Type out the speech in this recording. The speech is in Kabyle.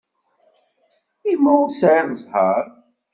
I ma ur sεiɣ ẓẓher?